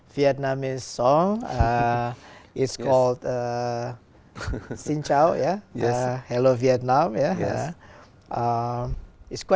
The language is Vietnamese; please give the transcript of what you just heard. và thật ra năm qua